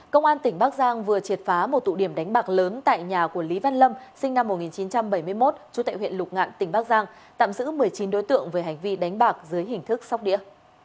công an tỉnh bắc giang vừa triệt phá một tụ điểm đánh bạc lớn tại nhà của lý văn lâm sinh năm một nghìn chín trăm bảy mươi một trú tại huyện lục ngạn tỉnh bắc giang tạm giữ một mươi chín đối tượng về hành vi đánh bạc dưới hình thức sóc đĩa